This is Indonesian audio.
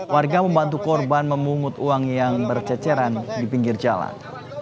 warga membantu korban memungut uang yang berceceran di pinggir jalan